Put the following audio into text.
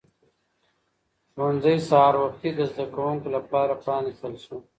ښوونځی سهار وختي د زده کوونکو لپاره پرانیستل شو